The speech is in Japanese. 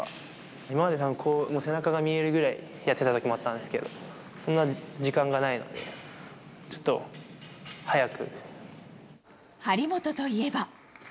今まではたぶん、背中が見えるぐらいやってたときもあったんですけど、そんなに時間がないので、ちょっと速く。